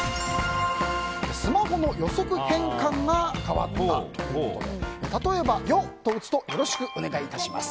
スマホの予測変換が変わったということで例えば、「よ」と打つとよろしくお願いします。